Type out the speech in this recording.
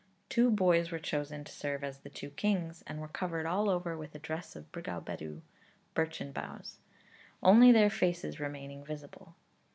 Two boys were chosen to serve as the two kings, and were covered all over with a dress of brigau bedw, (birchen boughs,) only their faces remaining visible.